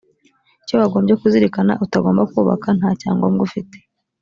icyo wagombye kuzirikana utagomba kubaka ntacyangomwa ufite